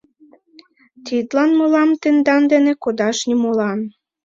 — Тидлан мылам тендан дене кодаш нимолан.